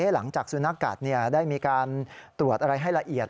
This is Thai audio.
หลังจากสุนัขกัดได้มีการตรวจอะไรให้ละเอียด